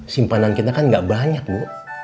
simpanan kita kan gak banyak bu